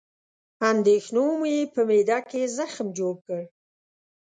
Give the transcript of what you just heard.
اندېښنو مې په معده کې زخم جوړ کړ